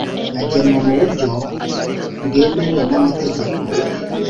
agenwa mu buryo bwemewe n amategeko